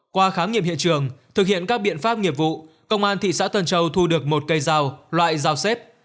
qua khám nghiệm hiện trường thực hiện các biện pháp nghiệp vụ công an thị xã tân châu thu được một cây dao loại dao xếp